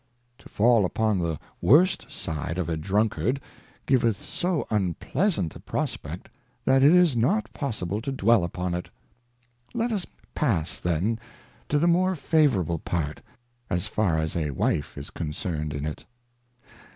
To fall upon the worst side of a Drunkard, giveth so unpleasant a prospect, that it is not possible to dwell upon it. Let us pass then to the more favourable part, as far as a Wife is concern 'd in it.